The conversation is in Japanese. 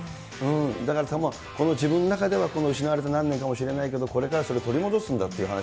だから自分の中では失われた何年かもしれないけど、これから取り戻すんだっていう話。